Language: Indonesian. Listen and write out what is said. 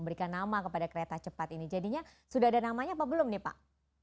berikan nama kepada kereta cepat ini jadinya sudah ada namanya apa belum nih pak